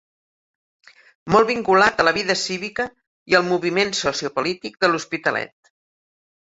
Molt vinculat a la vida cívica i al moviment sociopolític de l'Hospitalet.